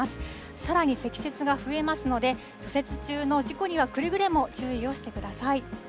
さらに積雪が増えますので、除雪中の事故にはくれぐれも注意をしてください。